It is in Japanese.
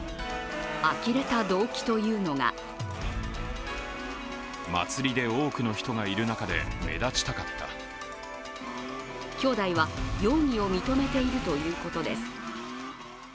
あきれた動機というのが兄弟は容疑を認めているということです。